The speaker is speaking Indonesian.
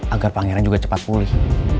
agar pangeran juga cepat pulih